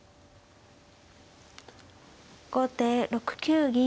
後手６九銀。